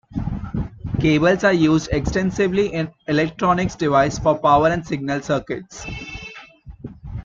Cables are used extensively in electronic devices for power and signal circuits.